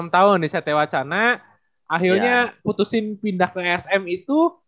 enam tahun di satewacana akhirnya putusin pindah ke sm itu